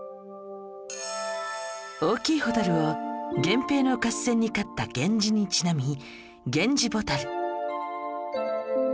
大きいホタルを源平の合戦に勝った源氏にちなみゲンジボタル